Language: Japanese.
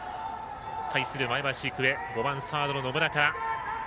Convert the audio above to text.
対する前橋育英５番、サードの野村から。